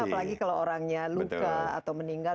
apalagi kalau orangnya luka atau meninggal